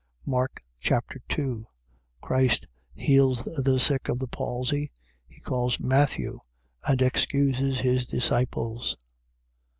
Mark Chapter 2 Christ heals the sick of the palsy. He calls Matthew and excuses his disciples.